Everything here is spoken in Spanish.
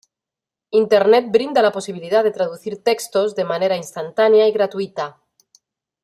Internet brinda la posibilidad de traducir textos de manera instantánea y gratuita.